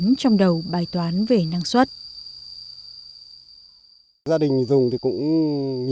những năm gần đây do tác động của biến đổi khí hậu thời tiết diễn biến bất thường cộng với vấn đề thâm canh tàng vụ